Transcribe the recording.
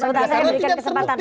sebentar saya berikan kesempatan